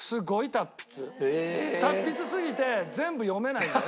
達筆すぎて全部読めないんだよね。